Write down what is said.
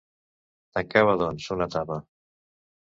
Tancava, doncs, una etapa.